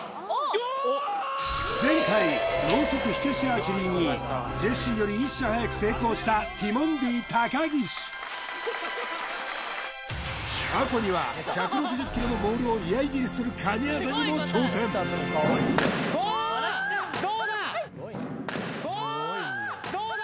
前回ロウソク火消しアーチェリーにジェシーより１射早く成功したティモンディ高岸過去には１６０キロのボールを居合斬りする神業にも挑戦おーっどうだおーっどうだ